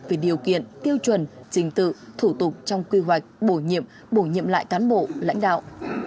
về điều kiện tiêu chuẩn trình tự thủ tục trong quy hoạch bổ nhiệm lại cán bộ lãnh đạo